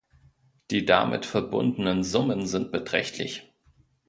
Die damit verbundenen Summen sind beträchtlich.